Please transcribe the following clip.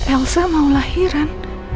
elsa mau lahiran